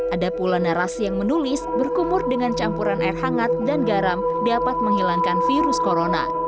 ada pula narasi yang menulis berkumur dengan campuran air hangat dan garam dapat menghilangkan virus corona